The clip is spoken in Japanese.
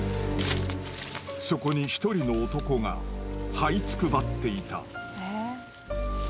そこに一人の男がはいつくばっていた。